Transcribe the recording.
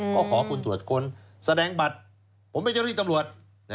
ก็ขอคุณตรวจค้นแสดงบัตรผมเป็นเจ้าหน้าที่ตำรวจ